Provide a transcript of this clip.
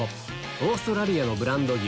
オーストラリアのブランド牛